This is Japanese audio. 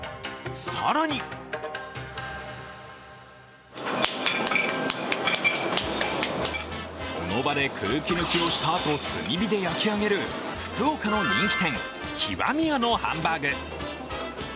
更にその場で空気抜きをしたあと炭火で焼き上げる福岡の人気店極味やのハンバーグ。